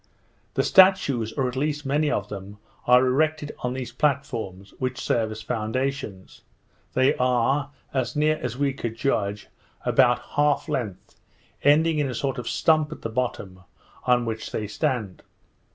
The statues, or at least many of them, are erected on these platforms, which serve as foundations. They are, as near as we could judge, about half length, ending in a sort of stump at the bottom, on which they stand.